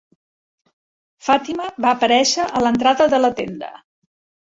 Fatima va aparèixer a l'entrada de la tenda.